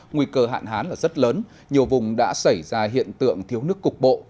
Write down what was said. nguy cơ hạn hán là rất lớn nhiều vùng đã xảy ra hiện tượng thiếu nước cục bộ